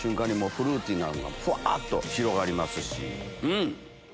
フルーティーなのがふわっと広がりますし。